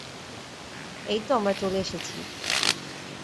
এইতো আমরা চলে এসেছি।